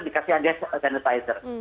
dikasih hadiah sanitizer